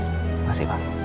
nggak sih pak